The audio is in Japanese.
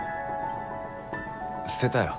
捨てたよ。